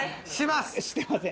します！